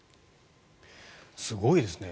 すごいですね。